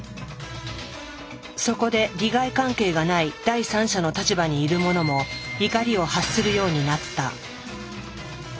そこで利害関係がない第三者の立場にいる者も怒りを発するようになった。